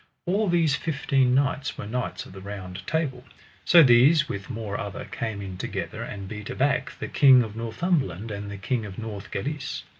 All these fifteen knights were knights of the Table Round. So these with more other came in together, and beat aback the King of Northumberland and the King of Northgalis.